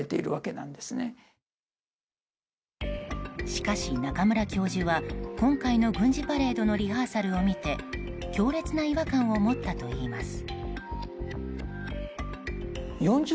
しかし、中村教授は今回の軍事パレードのリハーサルを見て強烈な違和感を持ったといいます。